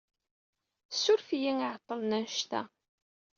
Surfet-iyi i iɛeṭṭlen annect-a.